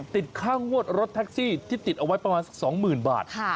ติดค่างวดรถแท็กซี่ที่ติดเอาไว้ประมาณสัก๒๐๐๐บาท